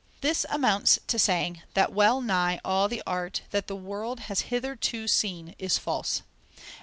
This amounts to saying that well nigh all the art that the world has hitherto seen is false.